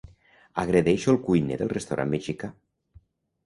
Agredeixo el cuiner del restaurant mexicà.